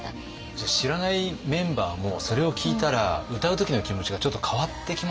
じゃあ知らないメンバーもそれを聞いたら歌う時の気持ちがちょっと変わってきますよね。